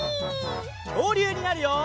きょうりゅうになるよ！